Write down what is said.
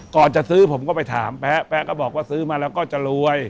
จะซื้อผมก็ไปถามแป๊ะก็บอกว่าซื้อมาแล้วก็จะรวย